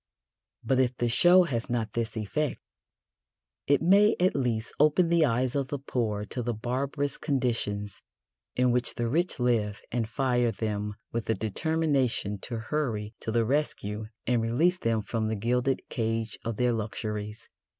But if the show has not this effect, it may at least open the eyes of the poor to the barbarous conditions in which the rich live and fire them with the determination to hurry to the rescue and release them from the gilded cage of their luxuries.